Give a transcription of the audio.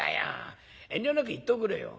遠慮なく言っておくれよ。